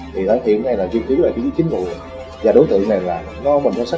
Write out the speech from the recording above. thì phải chị mày là chiếm cái chính mừng và đối tượng này là có mình cho xác